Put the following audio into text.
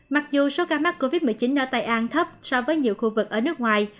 mặc dù số ca mắc covid một mươi chín ở tây an thấp so với nhiều khu vực ở nước ngoài